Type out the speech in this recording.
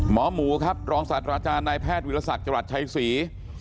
หมอหมูครับรองศาสตราจารย์นายแพทย์วิรสักจรัสชัยศรี